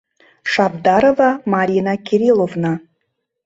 Шабдарова Марина Кирилловна.